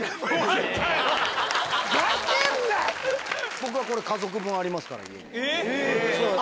僕はこれ家族分ありますから家に。